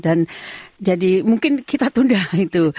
dan jadi mungkin kita tunda itu